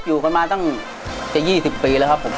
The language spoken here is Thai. อยู่กันมาตั้งจะ๒๐ปีแล้วครับผม